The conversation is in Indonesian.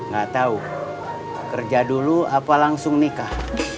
gak tahu kerja dulu apa langsung nikah